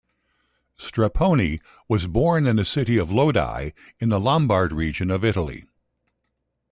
Strepponi was born in the city of Lodi in the Lombard region of Italy.